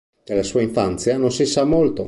Della sua infanzia non si sa molto.